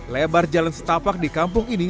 lebar jalan setapak di kampung ini